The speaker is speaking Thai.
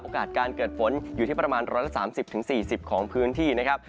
โอกาสการเกิดผลอยู่ที่ประมาณ๑๓๐๔๐องศาของพื้นที่นะครับ